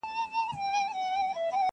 ما راوړي هغه لارو ته ډېوې دي,